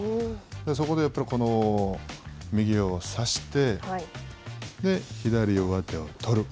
そこでやっぱり、右を差して、左上手を取る。